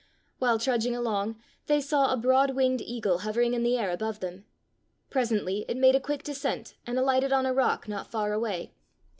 While trudging along they saw a broad winged eagle hovering in the air above them. Pre sently it made a quick descent and alighted on a rock not far away.